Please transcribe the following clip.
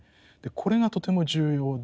これがとても重要で。